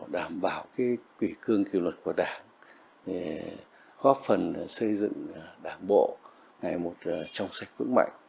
đảm bảo kỷ cương kỷ luật của đảng góp phần xây dựng đảng bộ ngày một trong sạch vững mạnh